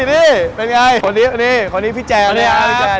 นี่เป็นไงคนนี้คนนี้พี่แจงนะครับ